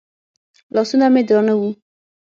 لاسونه مې درانه وو.